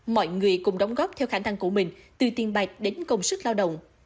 mọi người cùng đóng góp theo khả năng của mình từ tiền bạch đến công sức lao động